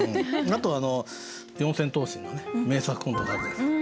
あと四千頭身の名作コントがあるじゃないですか。